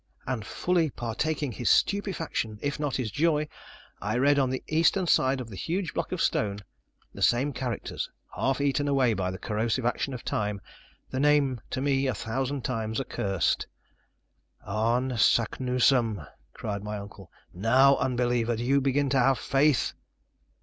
And fully partaking his stupefaction, if not his joy, I read on the eastern side of the huge block of stone, the same characters, half eaten away by the corrosive action of time, the name, to me a thousand times accursed [Illustration: Runic Glyphs] "Arne Saknussemm!" cried my uncle, "now, unbeliever, do you begin to have faith?"